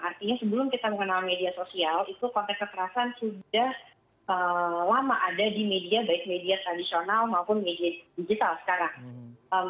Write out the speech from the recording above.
artinya sebelum kita mengenal media sosial itu konteks kekerasan sudah lama ada di media baik media tradisional maupun media digital sekarang